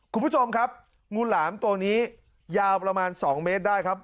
คุณผู้ชมครับงูหลามตัวนี้ยาวประมาณ๒เมตรได้ครับ